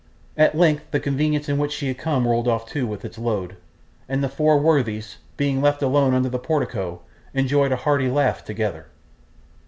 At length, the conveyance in which she had come rolled off too with its load, and the four worthies, being left alone under the portico, enjoyed a hearty laugh together.